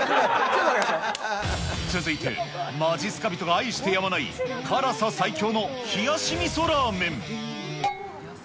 ちょっ続いて、まじっすか人が愛してやまない辛さ最強の冷し味噌ラーメン。